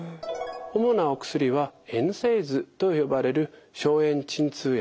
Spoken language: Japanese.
主なお薬はＮＳＡＩＤｓと呼ばれる消炎鎮痛薬。